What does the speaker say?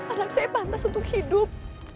anak saya pantas untuk hidup